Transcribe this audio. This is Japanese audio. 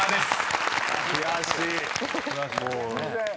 悔しい。